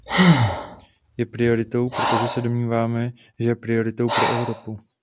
Je prioritou, protože se domníváme, že je prioritou pro Evropu.